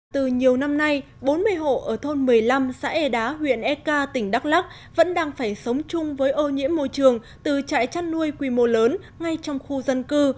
từ nhiều năm nay bốn mươi hộ ở thôn một mươi năm xã e đá huyện ek tỉnh đắk lắc vẫn đang phải sống chung với ô nhiễm môi trường từ trại chăn nuôi quy mô lớn ngay trong khu dân cư